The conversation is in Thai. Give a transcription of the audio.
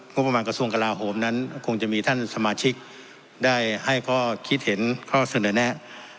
กระทรวงกลาโหมนั้นคงจะมีท่านสมาชิกได้ให้ข้อคิดเห็นข้อเสนอแนะ